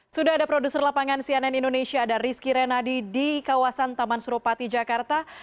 sudah ada produser lapangan cnn indonesia ada rizky renadi di kawasan taman suropati jakarta